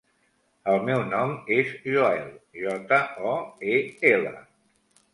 El meu nom és Joel: jota, o, e, ela.